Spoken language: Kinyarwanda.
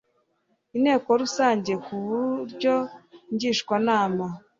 inteko rusange ku buryo ngishwanama